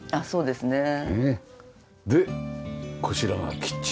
そうですね。